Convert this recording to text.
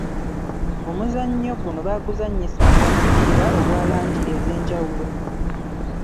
Omuzannyo guno baaguzannyisanga bupiira obwa langi ez'enjawulo.